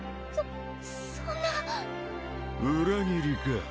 そそんな裏切りか？